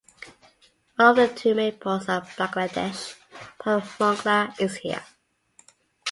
One of the two main ports of Bangladesh, Port of Mongla is here.